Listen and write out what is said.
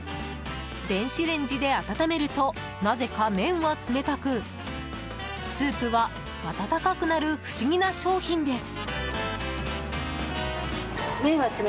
電子レンジで温めるとなぜか麺は冷たくスープは温かくなる不思議な商品です。